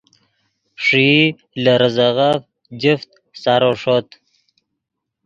ݰیئی لے ریزغف جفت سارو ݰوت